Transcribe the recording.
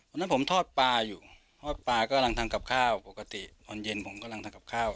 วันนั้นผมทอดปลาอยู่ทอดปลากำลังทำกับข้าวปกติตอนเย็นผมกำลังทำกับข้าว